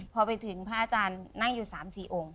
พอไปถึงพระอาจารย์นั่งอยู่๓๔องค์